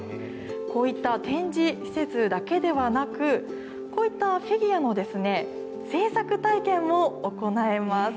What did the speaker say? こういった展示施設だけではなく、こういったフィギュアの、制作体験も行えます。